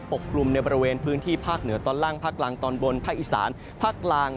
กลุ่มในบริเวณพื้นที่ภาคเหนือตอนล่างภาคกลางตอนบนภาคอีสานภาคกลาง